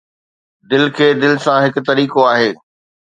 دل کي دل سان هڪ طريقو آهي